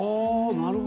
なるほど。